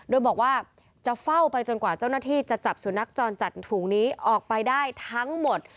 โดยบอกว่าจะเฝ้าไปจนกว่าเจ้าหน้าที่จะจับสุนัขจรจัดฝูงนี้ออกไปได้ทั้งหมด